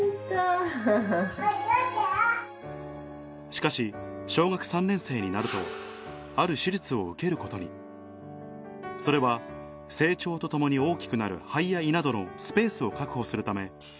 しかし小学３年生になるとある手術を受けることにそれは成長とともに大きくなるするというものうん嫌だなぁ。